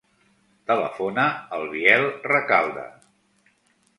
Telefona al Biel Recalde.